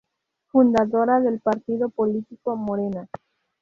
Fundadora del partido político Morena.